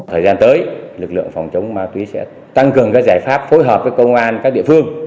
thời gian tới lực lượng phòng chống ma túy sẽ tăng cường các giải pháp phối hợp với công an các địa phương